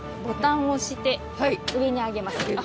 ボタンを押して上にあげます。